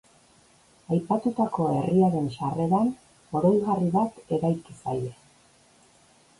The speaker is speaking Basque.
Aipatutako herriaren sarreran oroigarri bat eraiki zaie.